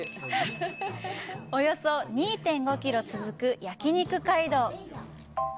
おそよ２．５キロ続く、焼肉街道。